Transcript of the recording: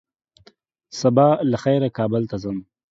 سبا له خيره کابل ته ځم